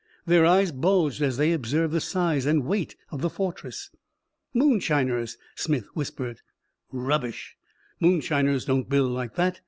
Their eyes bulged as they observed the size and weight of the fortress. "Moonshiners," Smith whispered. "Rubbish. Moonshiners don't build like that.